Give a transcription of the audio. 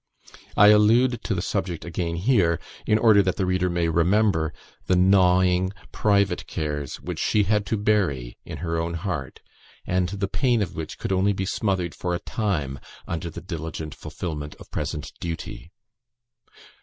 I allude to the subject again here, in order that the reader may remember the gnawing, private cares, which she had to bury in her own heart; and the pain of which could only be smothered for a time under the diligent fulfilment of present duty.